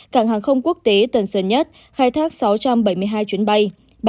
cảng hàng không quốc tế tân sơn nhất khai thác sáu trăm bảy mươi hai chuyến bay